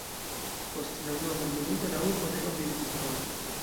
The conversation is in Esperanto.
Post la Unua Mondmilito la urbo denove iĝis pola.